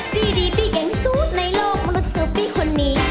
พี่ดีพี่เก่งสุดในโลกมนุษย์ก็เป็นพี่คนนี้